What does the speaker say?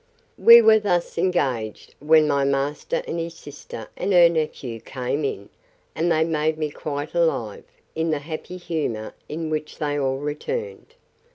We were thus engaged, when my master, and his sister and her nephew, came in: and they made me quite alive, in the happy humour in which they all returned.